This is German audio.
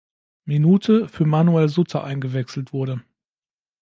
Minute für Manuel Sutter eingewechselt wurde.